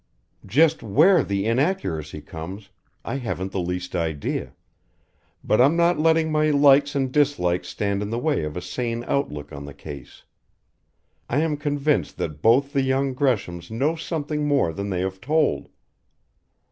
Just where the inaccuracy comes I haven't the least idea but I'm not letting my likes and dislikes stand in the way of a sane outlook on the case. I am convinced that both the young Greshams know something more than they have told.